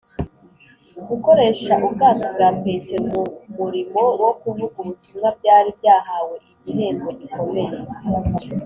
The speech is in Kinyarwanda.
gukoresha ubwato bwa petero mu murimo wo kuvuga ubutumwa byari byahawe igihembo gikomeye